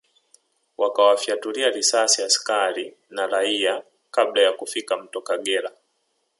Wakawafyatulia risasi askari na raia kabla ya kufika Mto Kagera